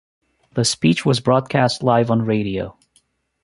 The speech was broadcast live on radio.